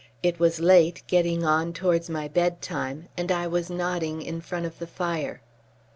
It was late, getting on towards my bedtime, and I was nodding in front of the fire.